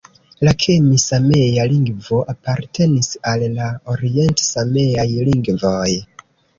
La kemi-samea lingvo apartenis al la orient-sameaj lingvoj.